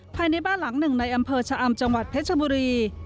ภายในบ้านหลังหนึ่งในอำเภอชะอำจังหวัดเพชรบุรี